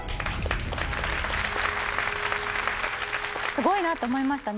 すごいなと思いました